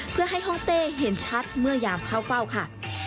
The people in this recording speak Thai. เพื่อให้ห้องเต้เห็นชัดเมื่อยามเข้าเฝ้าค่ะ